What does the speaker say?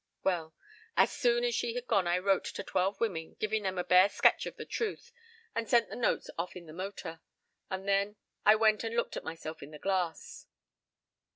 ... Well, as soon as she had gone I wrote to twelve women, giving them a bare sketch of the truth, and sent the notes off in the motor. And then I went and looked at myself in the glass."